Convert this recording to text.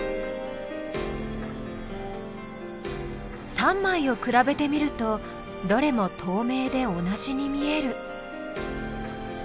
３枚を比べてみるとどれもとうめいで同じに見える。